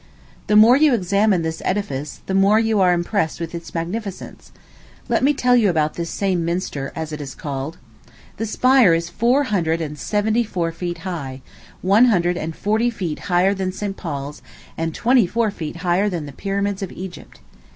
The more you examine this edifice, the more you are impressed with its magnificence. Let me tell you about this same minster, as it is called. The spire is four hundred and seventy four feet high one hundred and forty feet higher than St. Paul's, and twenty four feet higher than the Pyramids of Egypt.